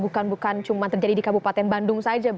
bukan bukan cuma terjadi di kabupaten bandung saja